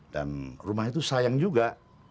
dan rumah itu sayang juga